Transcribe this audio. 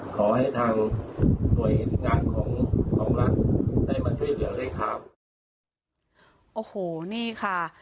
ขอให้ทางหน่วยงานของของรัฐได้มาช่วยเหลือด้วยครับโอ้โหนี่ค่ะ